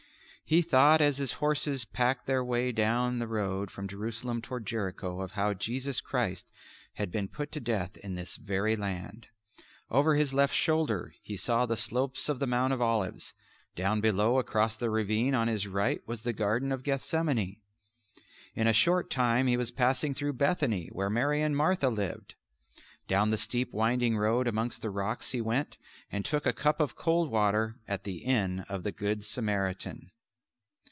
He thought as his horses picked their way down the road from Jerusalem toward Jericho of how Jesus Christ had been put to death in this very land. Over his left shoulder he saw the slopes of the Mount of Olives; down below across the ravine on his right was the Garden of Gethsemane. In a short time he was passing through Bethany where Mary and Martha lived. Down the steep winding road amongst the rocks he went, and took a cup of cold water at the inn of the Good Samaritan.